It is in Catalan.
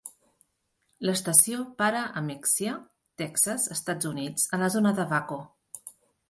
L'estació para a Mexia, Texas, Estats Units, a la zona de Waco.